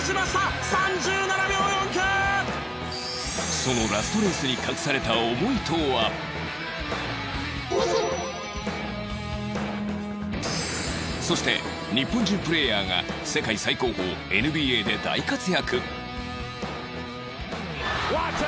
そのそして日本人プレーヤーが世界最高峰 ＮＢＡ で大活躍